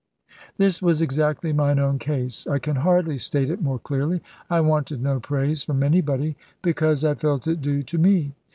This was exactly mine own case. I can hardly state it more clearly. I wanted no praise from anybody; because I felt it due to me.